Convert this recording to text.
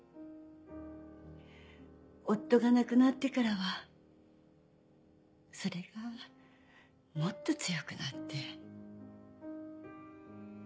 夫が亡くなってからはそれがもっと強くなって。